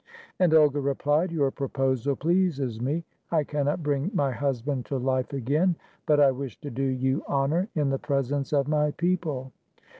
" And Olga replied: "Your proposal pleases me; I cannot bring my husband to life again, but I wish to do you honor in the presence of my people.